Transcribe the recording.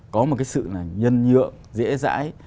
có một cái sự là nhân nhựa dễ dãi